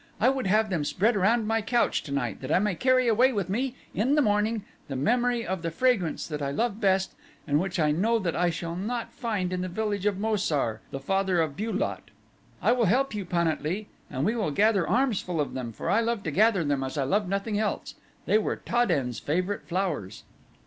I would have them spread around my couch tonight that I may carry away with me in the morning the memory of the fragrance that I love best and which I know that I shall not find in the village of Mo sar, the father of Bu lot. I will help you, Pan at lee, and we will gather armfuls of them, for I love to gather them as I love nothing else they were Ta den's favorite flowers."